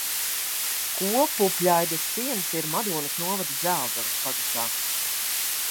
Kopupļaides ir ciems Madonas novada Dzelzavas pagastā.